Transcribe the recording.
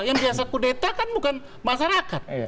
yang biasa kudeta kan bukan masyarakat